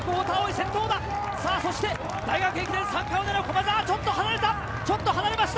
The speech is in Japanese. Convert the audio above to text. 大学駅伝３冠を狙う駒澤、ちょっと離れました。